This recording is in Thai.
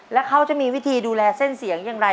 แล้วเขาจะมีวิธีดูแลเส้นเสียงอย่างไร